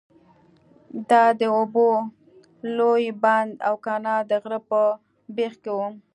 دا د اوبو لوی بند او کانال د غره په بیخ کې وو.